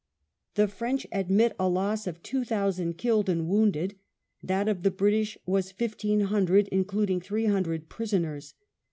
The French admit a loss of two thousand killed and wounded; that of the British was fifteen hundred, including three hundred prisoners.